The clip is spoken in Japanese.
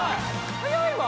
早いわ。